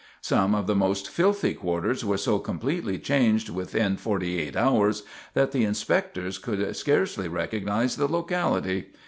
Some of the most filthy quarters were so completely changed within forty eight hours that the inspectors could scarcely recognize the locality.